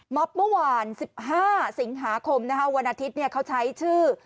ม็อบเมื่อวาน๑๕สิงหาคมนะครับวันอาทิตย์เนี่ยเขาใช้ชื่อ